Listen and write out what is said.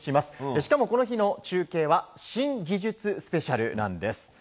しかも、この日の中継は新技術スペシャルなんです。